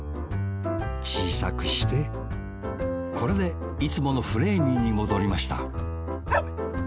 ちいさくしてこれでいつものフレーミーにもどりましたワン！